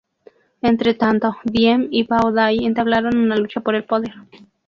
Entretanto, Diem y Bao Dai entablaron una lucha por el poder.